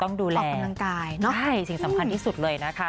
ต้องดูแลออกกำลังกายเนอะใช่สิ่งสำคัญที่สุดเลยนะคะ